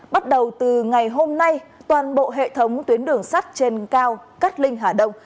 bắt đầu từ ngày hôm nay toàn bộ hệ thống tuyến đường sắt trên cao cát linh hà đông